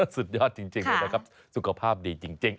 สุดยอดจริงเลยนะครับสุขภาพดีจริง